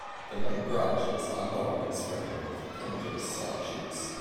The main branches are long and spreading with pendulous side shoots.